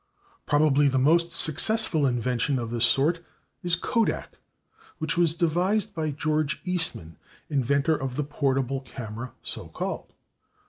Probably the most successful invention of this sort is /kodak/, which was devised by George Eastman, inventor of the portable camera so called.